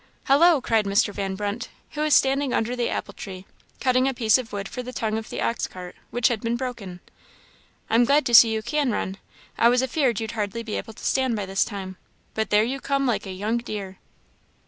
"Hollo!" cried Mr. Van Brunt, who was standing under the apple tree, cutting a piece of wood for the tongue of the ox cart, which had been broken "I'm glad to see you can run. I was afeard you'd hardly be able to stand by this time; but there you come like a young deer!"